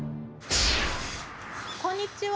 こんにちは。